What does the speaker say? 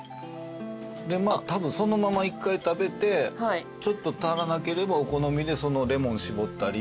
たぶんそのまま１回食べてちょっと足らなければお好みでそのレモン搾ったり。